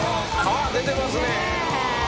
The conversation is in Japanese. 出てますね。